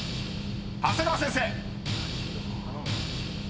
［長谷川先生］